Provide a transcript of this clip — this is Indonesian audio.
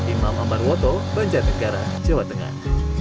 imam ambarwoto banja negara jawa tengah